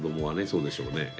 そうでしょうね。